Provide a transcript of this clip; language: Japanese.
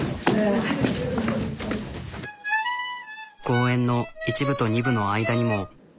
公演の１部と２部の間にも。